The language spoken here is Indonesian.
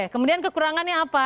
kemudian kekurangannya apa